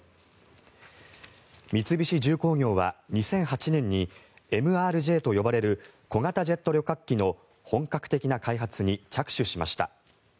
三菱重工業は２００８年にＭＲＪと呼ばれる小型ジェット旅客機の本格的な開発に着手しました。